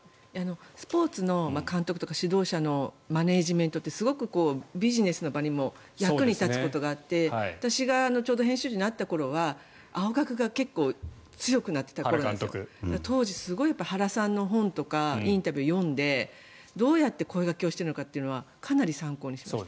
スポーツの監督とかマネジメントってビジネスの現場にも役に立つことがあって私がちょうど編集者になった頃は青学が強くなっていた頃で当時、すごく原さんの本とかインタビューとか読んでどうやって声掛けをしているのかっていうのはかなり参考にしました。